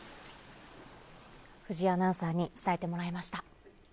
藤井アナウンサーに伝えてもらいました。